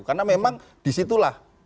karena memang disitulah saya mau mengatakan